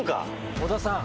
小田さん！